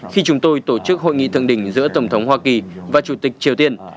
khi chúng tôi tổ chức hội nghị thượng đỉnh giữa tổng thống hoa kỳ và chủ tịch triều tiên